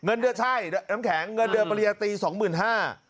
เงินเดือนใช่น้ำแข็งเงินเดือนปริยาตรี๒๕๐๐๐บาท